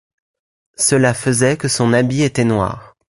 Cela faisait que son habit était noir.